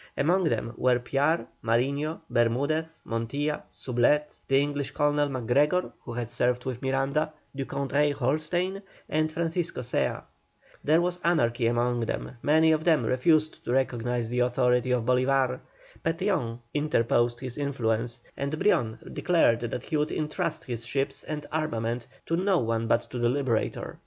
Among them were Piar, Mariño, Bermudez, Montilla, Soublette, the English Colonel MacGregor, who had served with Miranda, Doucoudray Holstein, and Francisco Zea. There was anarchy among them; many of them refused to recognise the authority of Bolívar. Petión interposed his influence, and Brion declared that he would entrust his ships and armament to no one but to the Liberator.